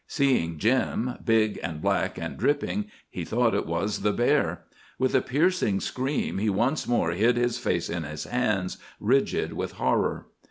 Seeing Jim, big and black and dripping, he thought it was the bear. With a piercing scream he once more hid his face in his hands, rigid with horror.